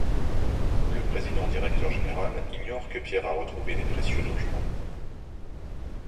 Le président-directeur-général ignore que Pierre a retrouvé les précieux documents.